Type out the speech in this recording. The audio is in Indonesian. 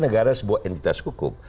negara sebuah entitas hukum